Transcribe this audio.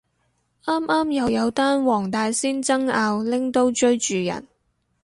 啱啱又有單黃大仙爭拗拎刀追住人